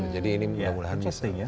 jadi ini mudah mudahan bisa